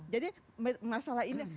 jadi masalah ini